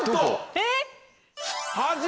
えっ？